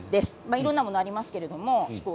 いろんなものがあります。